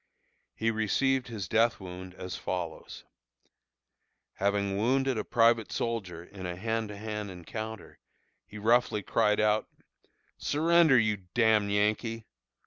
He received his death wound as follows: having wounded a private soldier in a hand to hand encounter, he roughly cried out, "Surrender, you d d Yankee!"